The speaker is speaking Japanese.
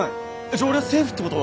じゃあ俺はセーフってこと！？